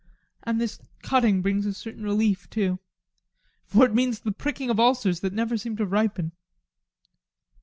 And this cutting brings a certain relief, too. For it means the pricking of ulcers that never seemed to ripen.